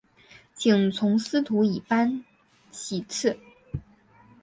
请从司徒以班徙次。